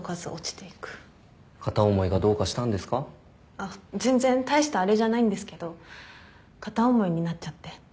あっ全然大したあれじゃないんですけど片思いになっちゃって。